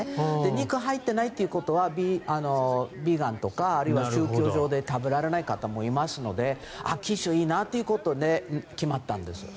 肉が入ってないということはヴィーガンとかあるいは宗教上で食べられない方もいますのでキッシュ、いいなということで決まったんです。